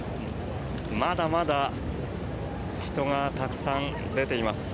まだまだ人がたくさん出ています。